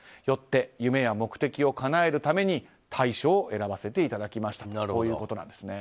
よって、夢や目的をかなえるために退所を選ばせていただきました。